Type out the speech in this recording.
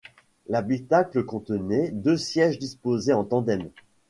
L'habitacle contenait deux sièges disposés en tandem.